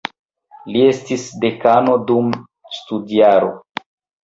Li estis dekano dum studjaro.